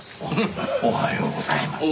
おはようございます。